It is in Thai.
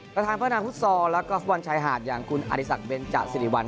ประธานพระนามพุทธศอลแล้วก็บรรชายหาดอย่างคุณอาริสักเบนจากซิริวัล